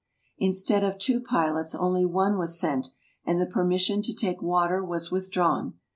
Instead of two pilots only one was sent, and the permission to take water was withdrawn.